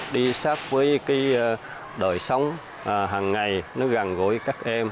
đi sát với đời sống hằng ngày gần gũi các em